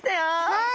はい！